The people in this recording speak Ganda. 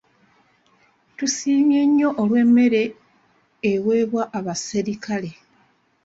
Tusiimye nnyo olw'emmere eweebwa abasirikale.